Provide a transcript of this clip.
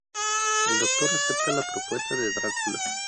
El Doctor acepta la propuesta de Drácula.